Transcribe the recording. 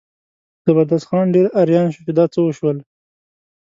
زبردست خان ډېر اریان شو چې دا څه وشول.